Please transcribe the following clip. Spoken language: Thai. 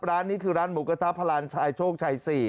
ร้านนี้คือร้านหมูกระทะพลานชายโชคชัย๔